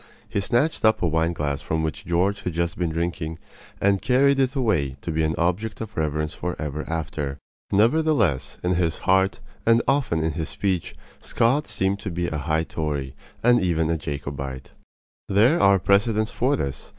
He snatched up a wine glass from which George had just been drinking and carried it away to be an object of reverence for ever after. Nevertheless, in his heart, and often in his speech, Scott seemed to be a high Tory, and even a Jacobite. There are precedents for this.